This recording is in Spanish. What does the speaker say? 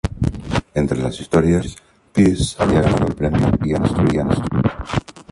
Entre las historias, "Piece" había ganado el Premio Ian St.